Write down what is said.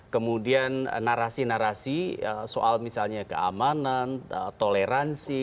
kemudian narasi narasi soal misalnya keamanan toleransi